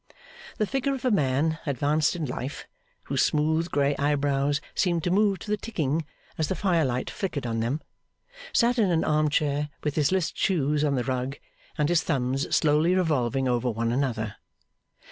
The figure of a man advanced in life, whose smooth grey eyebrows seemed to move to the ticking as the fire light flickered on them, sat in an arm chair, with his list shoes on the rug, and his thumbs slowly revolving over one another.